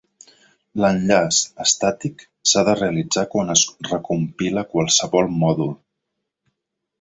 L'enllaç estàtic s'ha de realitzar quan es recompila qualsevol mòdul.